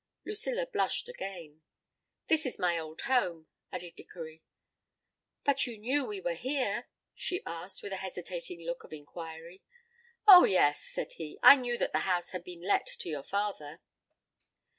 Lucilla blushed again. "This is my old home," added Dickory. "But you knew we were here?" she asked, with a hesitating look of inquiry. "Oh, yes," said he, "I knew that the house had been let to your father."